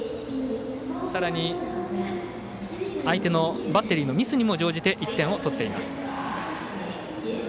さらに、相手のバッテリーのミスにも乗じて１点を取っています。